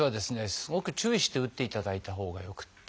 すごく注意して打っていただいたほうがよくて。